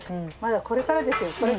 まだこれからですよ。